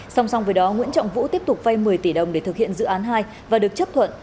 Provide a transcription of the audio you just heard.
song song với đó nguyễn trọng vũ tiếp tục vây một mươi tỷ đồng để thực hiện dự án hai và được chấp thuận